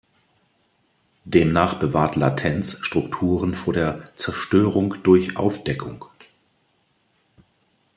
Demnach bewahrt Latenz Strukturen vor der "Zerstörung durch Aufdeckung".